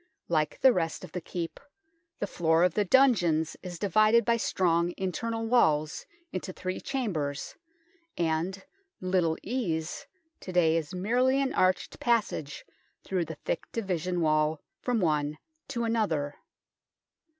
Like the rest of the Keep, the floor of the dungeons is divided by strong internal walls into three chambers, and " Little Ease " to day is merely an arched passage through the thick division wall from one to another.